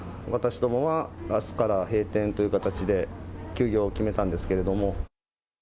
私どもは、あすから閉店という形で、休業を決めたんですけれども。